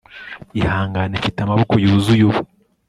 ihangane, mfite amaboko yuzuye ubu